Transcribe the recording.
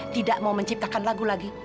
tidak mau menciptakan lagu lagi